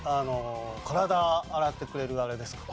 体を洗ってくれるあれですか。